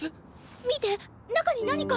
見て中に何か。